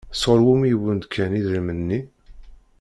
Sɣur wumi i wen-d-kan idrimen-nni?